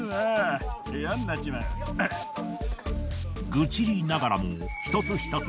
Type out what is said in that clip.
愚痴りながらも一つひとつ